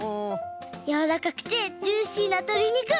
やわらかくてジューシーなとりにく！